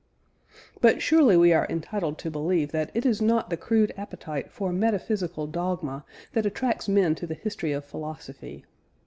But surely we are entitled to believe that it is not the crude appetite for metaphysical dogma that attracts men to the history of philosophy.